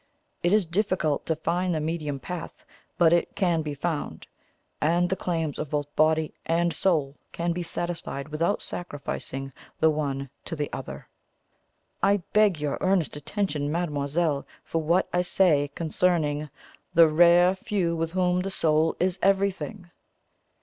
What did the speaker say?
It is difficult to find the medium path, but it can be found; and the claims of both body and soul can be satisfied without sacrificing the one to the other. I beg your earnest attention, mademoiselle, for what I say concerning THE RARE FEW WITH WHOM THE SOUL IS EVERYTHING.